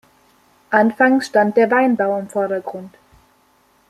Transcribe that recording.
Anfangs stand der Weinbau im Vordergrund.